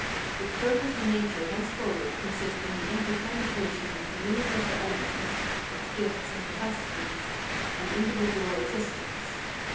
Its purpose and nature henceforward consist in the interpenetration of the universal elements (its " gifts " and " capacities") and individual existence.